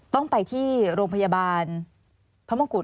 ต้องไปที่โรงพยาบาลพระมงกุฎ